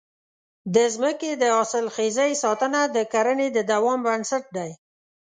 د ځمکې د حاصلخېزۍ ساتنه د کرنې د دوام بنسټ دی.